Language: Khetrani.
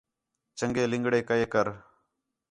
چنڳے لِنگڑے کئے کر